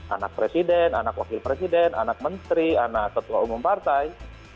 anak presiden anak wakil presiden anak menteri anak ketua umum partai